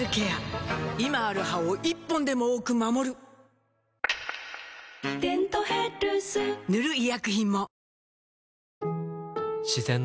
今ある歯を１本でも多く守る「デントヘルス」塗る医薬品も